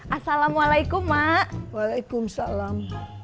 assalamualaikum mak waalaikumsalam